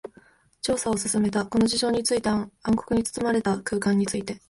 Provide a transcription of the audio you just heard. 調査を進めた。この事象について、暗黒に包まれた空間について。